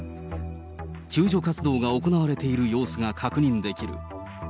救助活動が行われている様子が確認できる。